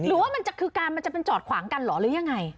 หรอว่ามันจะเป็นคือการจอดขวางกันหรือยังไง